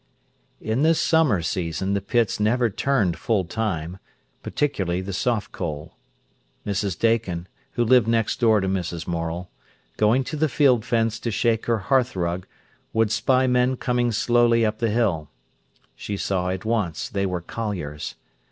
In this summer season the pits never turned full time, particularly the soft coal. Mrs. Dakin, who lived next door to Mrs. Morel, going to the field fence to shake her hearthrug, would spy men coming slowly up the hill. She saw at once they were colliers.